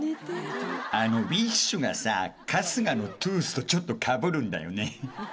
あのウィッシュがさ春日のトゥースとちょっとかぶるんだよね。